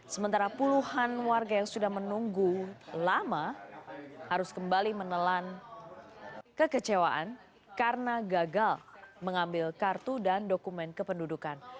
sementara puluhan warga yang sudah menunggu lama harus kembali menelan kekecewaan karena gagal mengambil kartu dan dokumen kependudukan